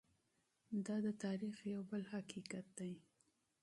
دا د تاریخ یو بل حقیقت دی.